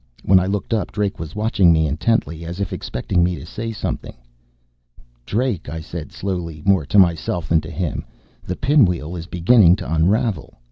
When I looked up, Drake was watching me intently, as if expecting me to say something. "Drake," I said slowly, more to myself than to him, "the pinwheel is beginning to unravel.